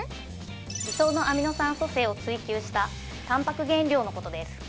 理想のアミノ酸組成を追求したたんぱく原料のことです